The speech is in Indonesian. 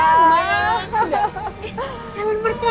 jangan bertanya kayak udah selesai pelajarnya tuh yaa